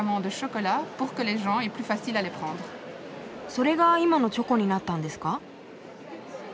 それが今のチョコになったんですか？